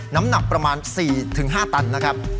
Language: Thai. น้ำหนักประมาณ๔๕ตันนะครับ